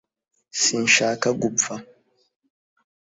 sinshaka gupfa